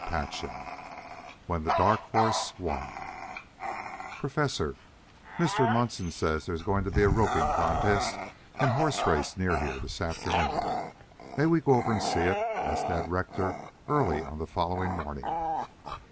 CHAPTER XVII WHEN THE DARK HORSE WON "Professor, Mr. Munson says there's going to be a roping contest and horse race near here, this afternoon. May we go over to see it?" asked Ned Rector early on the following morning.